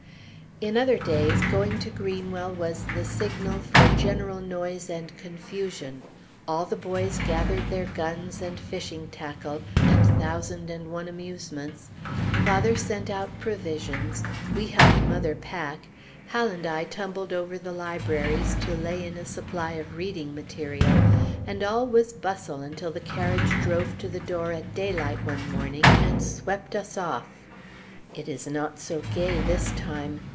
In other days, going to Greenwell was the signal for general noise and confusion. All the boys gathered their guns and fishing tackle, and thousand and one amusements; father sent out provisions; we helped mother pack; Hal and I tumbled over the libraries to lay in a supply of reading material; and all was bustle until the carriage drove to the door at daylight one morning, and swept us off. It is not so gay this time.